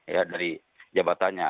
ya dari jabatannya